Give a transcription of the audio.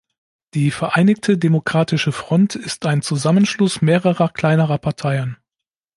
Die Vereinigte Demokratische Front ist ein Zusammenschluss mehrerer kleinerer Parteien.